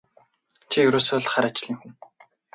Чи ерөөсөө л хар ажлын хүн.